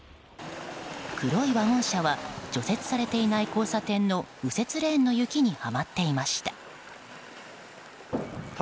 黒いワゴン車は除雪されていない交差点の右折レーンの雪にはまっていました。